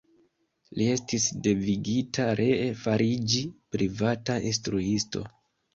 Li estis devigita ree fariĝi privata instruisto.